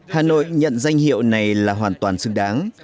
hà nội nhận danh hiệu này là hoàn toàn xứng đáng